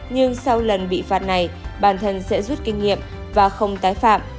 nhưng sau lần bị phạt này bản thân sẽ rút kinh nghiệm và không tái phạm